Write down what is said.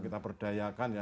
kita berdayakan ya